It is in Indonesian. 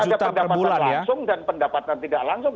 jadi tidak ada pendapatan langsung dan pendapatan tidak langsung